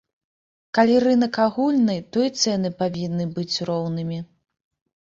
Калі рынак агульны, то і цэны павінны быць роўнымі.